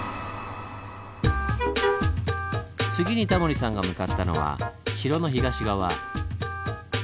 次にタモリさんが向かったのは城の東側。